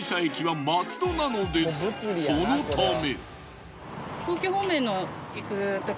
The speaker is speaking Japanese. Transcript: そのため。